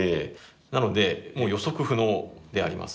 なのでもう予測不能であります。